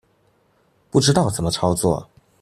不知道怎麼操作